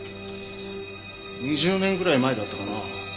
２０年ぐらい前だったかな。